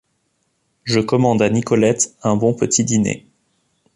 Je commande à Nicolette un bon petit dîner.